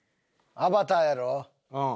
『アバター』やん。